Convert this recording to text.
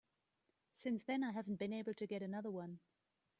Since then I haven't been able to get another one.